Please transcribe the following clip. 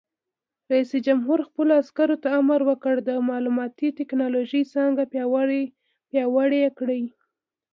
رئیس جمهور خپلو عسکرو ته امر وکړ؛ د معلوماتي تکنالوژۍ څانګه پیاوړې کړئ!